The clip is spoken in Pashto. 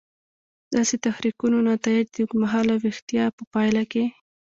داسې تحریکونو نتایج د اوږد مهاله ویښتیا په پایله کې.